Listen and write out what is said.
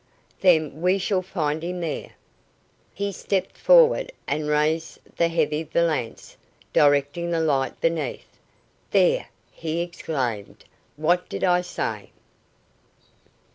"Then we shall find him there." He stepped forward and raised the heavy valance, directing the light beneath. "There!" he exclaimed. "What did I say?"